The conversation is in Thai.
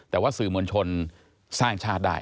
แต่ว่าสื่อมวลชนสร้างชาติได้